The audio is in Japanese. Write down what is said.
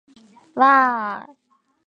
わああああ